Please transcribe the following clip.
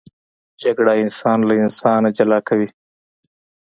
جګړه انسان له انسان جدا کوي